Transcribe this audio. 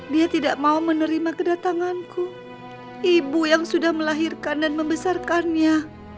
dia tidak mau menerima kedatanganku ibu yang sudah melahirkan dan membesarkannya